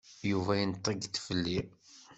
Yuba yenṭeg-d fell-i.